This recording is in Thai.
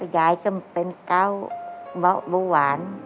ยายจะเป็นเก้าเบาะเบาะหวาน